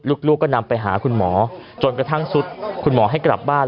ลูกก็นำไปหาคุณหมอจนกระทั่งสุดคุณหมอให้กลับบ้าน